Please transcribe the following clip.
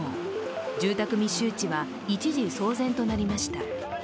住宅密集地は一時、騒然となりました。